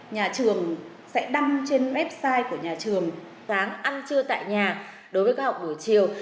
nhà trường sẽ đăng trên website của nhà trường sáng ăn trưa tại nhà đối với các học buổi chiều